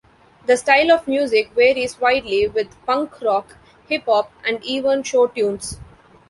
The style of music varies widely, with punk rock, hip-hop, and even show tunes.